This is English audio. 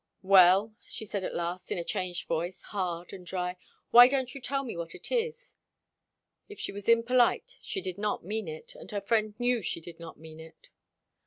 "Well," she said at last, in a changed voice, hard, and dry, "why don't you tell me what it is?" If she was impolite, she did not mean it, and her friend knew she did not mean it.